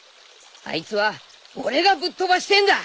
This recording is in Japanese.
あいつは俺がぶっとばしてえんだ。